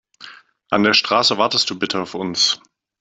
An der Straße wartest du bitte auf uns.